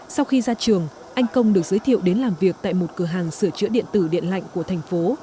sau khi ra trường anh công được giới thiệu đến làm việc tại một cửa hàng sửa chữa điện tử điện lạnh của thành phố